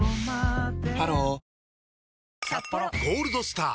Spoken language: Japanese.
ハロー「ゴールドスター」！